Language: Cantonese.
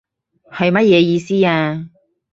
係乜嘢意思啊？